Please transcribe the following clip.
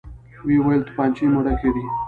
ويې ويل: توپانچې مو ډکې دي؟